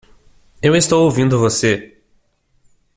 Eu estou ouvindo você!